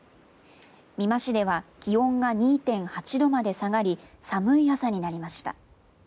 美馬市では気温が２．８度まで下がり寒い朝になりました。